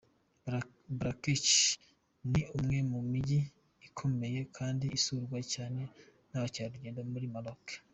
Marrakech ni umwe mu mijyi ikomeye kandi isurwa cyane n’abakerarugendo muri Maroc.